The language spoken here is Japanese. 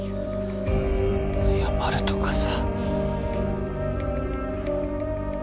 謝るとかさ。